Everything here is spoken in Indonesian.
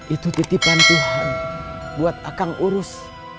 itu titipan tuhan buat akang urus